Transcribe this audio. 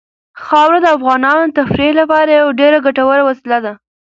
خاوره د افغانانو د تفریح لپاره یوه ډېره ګټوره وسیله ده.